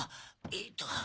えっと